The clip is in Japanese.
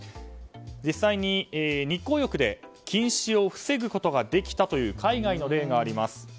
実際に日光浴で近視を防ぐことができたという海外の例があります。